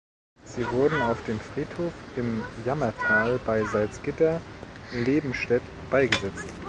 Sie wurden auf dem Friedhof im Jammertal bei Salzgitter-Lebenstedt beigesetzt.